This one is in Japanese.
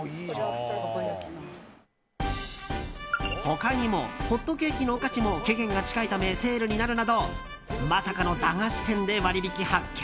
他にもホットケーキのお菓子も期限が近いためセールになるなどまさかの駄菓子店で割引発見。